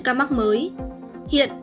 ca mắc mới hiện